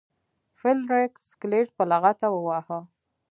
فلیریک سکلیټ په لغته وواهه.